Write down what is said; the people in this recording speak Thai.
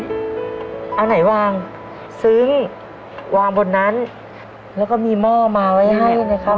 เอาไหนวางซึ้งวางบนนั้นแล้วก็มีหม้อมาไว้ให้นะครับ